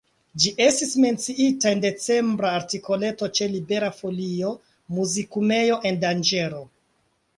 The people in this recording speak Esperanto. Ĝi estis menciita en decembra artikoleto ĉe Libera Folio, Muzikumejo en danĝero.